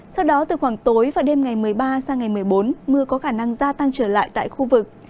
sau đó từ khoảng tối và đêm ngày một mươi ba sang ngày một mươi bốn mưa có khả năng gia tăng trở lại tại khu vực